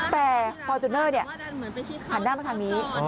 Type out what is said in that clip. แต่ฟอร์จูเนอร์หันหน้ามาทางนี้